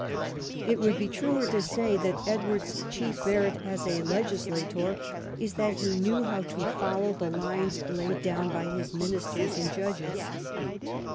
It would be truer to say that Edward's chief merit as a legislator is that he knew how to follow the lines laid down by his ministers and judges.